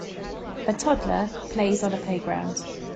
A toddler plays on a playground.